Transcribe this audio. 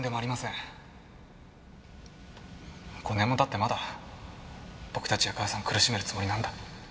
５年も経ってまだ僕たちや母さんを苦しめるつもりなんだ。